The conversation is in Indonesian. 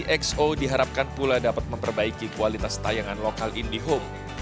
konten cxo diharapkan pula dapat memperbaiki kualitas tayangan lokal indie home